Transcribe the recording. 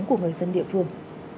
của người dân địa phương